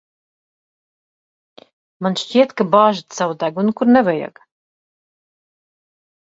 Man šķiet, ka bāžat savu degunu, kur nevajag.